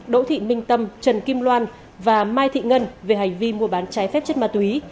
đỗ thị minh tâm trần kim loan và mai thị ngân về hành vi mua bán trái phép chất ma túy